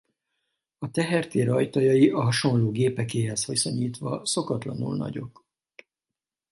A tehertér ajtajai a hasonló gépekéhez viszonyítva szokatlanul nagyok.